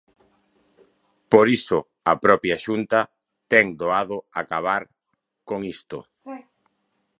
Por iso a propia Xunta ten doado acabar con isto.